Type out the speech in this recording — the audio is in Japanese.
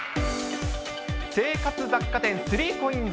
生活雑貨店、３コインズ。